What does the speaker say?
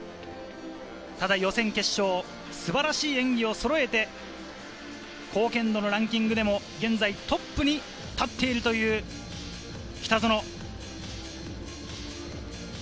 ただ予選、決勝、素晴らしい演技をそろえて、貢献度のランキングでも現在トップに立っているという北園。